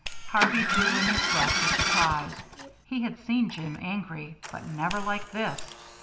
Harvey drew in his breath with surprise; he had seen Jim angry, but never like this.